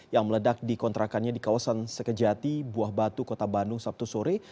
yang meledak di kontrakannya di kawasan sekejati buah batu kota bandung sabtu sore